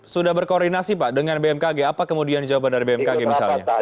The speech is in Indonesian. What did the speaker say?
sudah berkoordinasi pak dengan bmkg apa kemudian jawaban dari bmkg misalnya